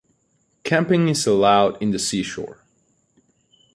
Camping is allowed in the seashore.